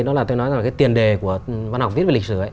đó là tôi nói là tiền đề của văn học viết về lịch sử